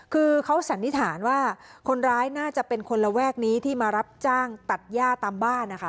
คือเขาสันนิษฐานว่าคนร้ายน่าจะเป็นคนระแวกนี้ที่มารับจ้างตัดย่าตามบ้านนะคะ